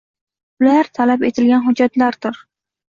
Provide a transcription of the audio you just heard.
Ular talab etilgan hujjatlardir.